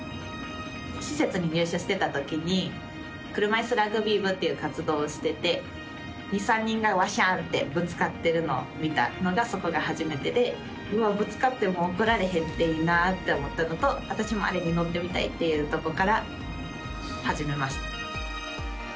施設に入所していたときに車いすラグビー部っていう活動をしてて２３人が、わしゃってぶつかってるのを見たのがそこが初めてでぶつかっても怒られへんっていいなって思ったのと私もあれに乗ってみたいっていうところから始めました。